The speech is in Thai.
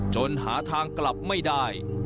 หาทางกลับไม่ได้